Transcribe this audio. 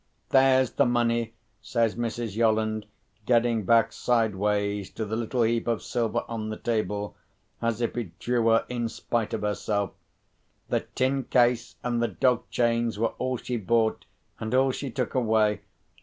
"There's the money," says Mrs. Yolland, getting back sideways to the little heap of silver on the table, as if it drew her in spite of herself. "The tin case and the dog chains were all she bought, and all she took away.